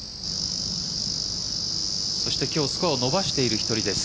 今日スコアを伸ばしている１人です。